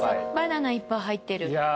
バナナいっぱい入ってる。